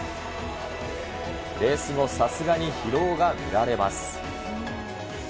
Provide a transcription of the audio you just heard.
レース後、さすがに疲労が見られます。